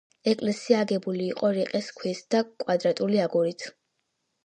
ეკლესია აგებული იყო რიყის ქვით და კვადრატული აგურით.